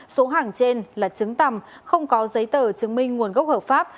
số hàng trên là chứng tầm không có giấy tờ chứng minh nguồn gốc hợp pháp